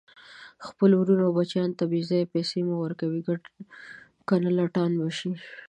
خپلو ورونو او بچیانو ته بیځایه پیسي مه ورکوئ، کنه لټان به شي